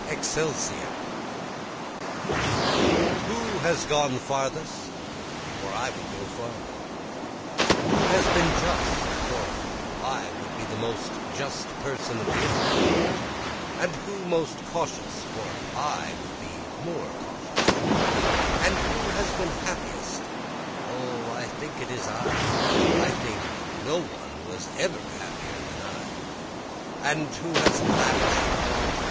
Excelsior Who has gone farthest? for I would go farther, And who has been just? for I would be the most just person of the earth, And who most cautious? for I would be more cautious, And who has been happiest? O I think it is I I think no one was ever happier than I, And who has lavish'd all?